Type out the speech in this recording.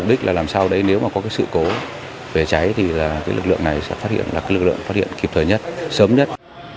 mục đích là làm sao đấy nếu mà có cái sự cố về cháy thì cái lực lượng này sẽ phát hiện là cái lực lượng phát hiện kịp thời nhất sớm nhất